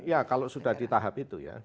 ya kalau sudah di tahap itu ya